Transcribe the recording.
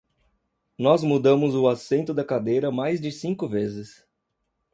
Nós mudamos o assento da cadeira mais de cinco vezes.